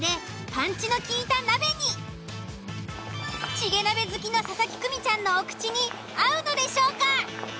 チゲ鍋好きの佐々木久美ちゃんのお口に合うのでしょうか？